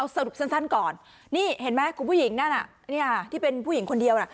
สรุปสั้นก่อนนี่เห็นไหมคุณผู้หญิงนั่นน่ะที่เป็นผู้หญิงคนเดียวน่ะ